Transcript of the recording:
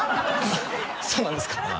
そうなんですか？